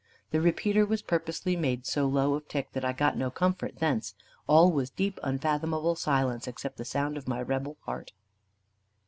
The repeater was purposely made so low of tick, that I got no comfort thence. All was deep, unfathomable silence, except the sound of my rebel heart.